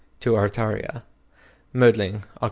TO ARTARIA. Mödling, Oct.